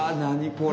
これ。